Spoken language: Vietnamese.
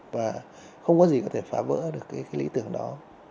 và không có gì có thể phá vỡ được cái lý tưởng đó